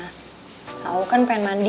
tau kan pengen mandiri